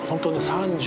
３０